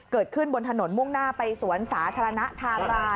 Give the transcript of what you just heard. เกิดขึ้นบนถนนมุ่งหน้าไปสวนสาธารณธารา